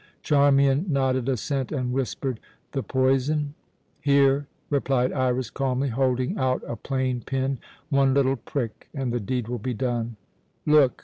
Charmian nodded assent, and whispered, "The poison?" "Here!" replied Iras calmly, holding out a plain pin. "One little prick, and the deed will be done. Look!